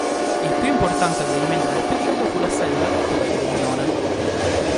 Il più importante avvenimento del periodo fu l'assedio e la cattura di Avignone.